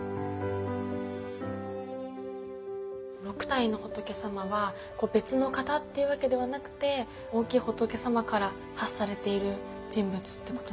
６体の仏様は別の方っていうわけではなくて大きい仏様から発されている人物っていうことなんですね。